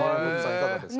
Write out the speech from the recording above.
いかがですか？